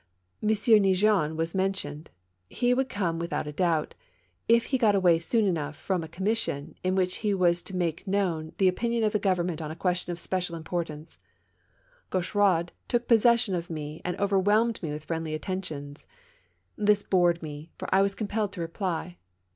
M. Neigeon was mentioned : he would come without doubt, if he got away soon enough from a Commission, in which he was to make known the opinion of the Government on a question of special im portance. Gaucheraud took possession of me and over whelmed me with friendly attentions. This bored me, for I was compelled to reply.